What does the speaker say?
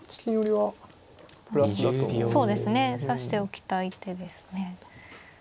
指しておきたい手ですね。